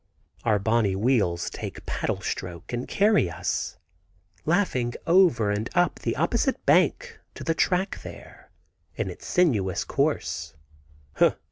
Our bonny wheels take paddle stroke and carry us, laughing over, and up the opposite bank to the track there, in its sinuous course.